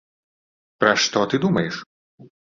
Пра што ты думаеш?